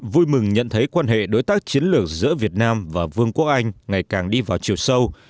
vui mừng nhận thấy quan hệ đối tác chiến lược giữa việt nam và vương quốc anh ngày càng đi vào chiều sâu